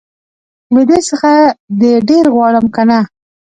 له دې څخه دي ډير غواړم که نه